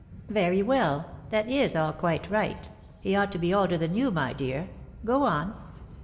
u Very well, that is all quite right ; he ought to be older than you, my dear .... Go on."